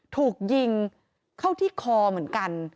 ถูกยิงเข้าที่คอเหมือนกัน